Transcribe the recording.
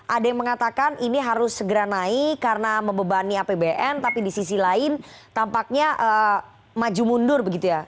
ada yang mengatakan ini harus segera naik karena membebani apbn tapi di sisi lain tampaknya maju mundur begitu ya